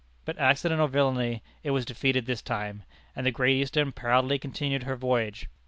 But accident or villainy, it was defeated this time, and the Great Eastern proudly continued her voyage.